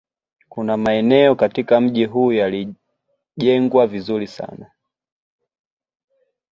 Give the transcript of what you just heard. Kuna maeneo katika mji huu yalijengwa vizuri sana